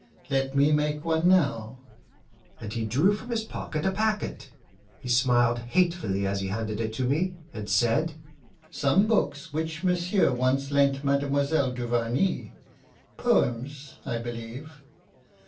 Let me make one now," and he drew from his pocket a packet. He smiled hatefully as he handed it to me, and said, "Some books which monsieur once lent Mademoiselle Duvarney poems, I believe.